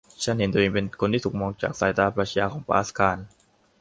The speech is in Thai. ฉันเห็นตนเองเป็นคนที่ถูกมองจากสายตาปรัชญาของปาสคาล